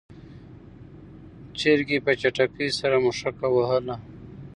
چرګې په چټکۍ سره مښوکه وهله.